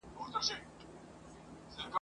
ژوند څنګه دی؟